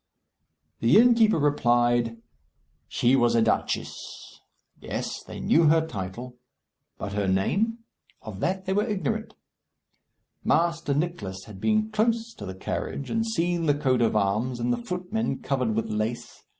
The innkeeper replied, "She was a duchess." Yes. They knew her title. But her name? Of that they were ignorant. Master Nicless had been close to the carriage, and seen the coat of arms and the footmen covered with lace.